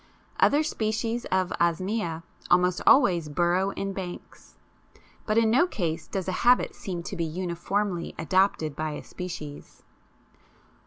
Other species of Osmia almost always burrow in banks, but in no case does a habit seem to be uniformly adopted by a species.